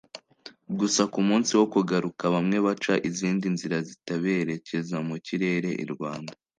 gusa ku munsi wo kugaruka bamwe baca izindi nzira zitaberekeza mu kirere i Rwanda